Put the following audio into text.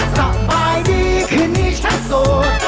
สบายดีคืนนี้ฉันโสด